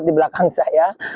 di belakang saya